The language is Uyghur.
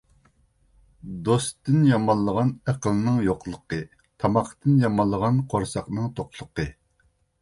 دوستتىن يامانلىغان ئەقىلنىڭ يوقلۇقى، تاماقتىن يامانلىغان قورساقنىڭ توقلۇقى.